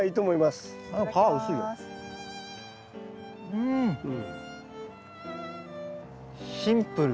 うんシンプル。